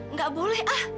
nggak boleh ah